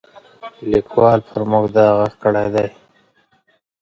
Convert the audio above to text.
لیکوال پر موږ دا غږ کړی دی.